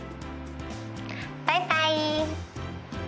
バイバイ。